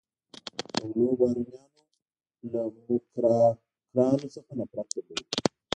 غلو بارونیانو له موکراکرانو څخه نفرت درلود.